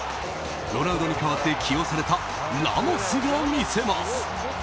ロナウドに代わって起用されたラモスが見せます。